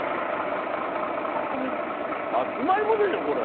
さつまいもでしょこれ。